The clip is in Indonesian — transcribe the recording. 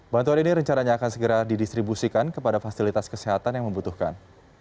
bantuan ini rencananya akan segera didistribusikan kepada fasilitas kesehatan yang membutuhkan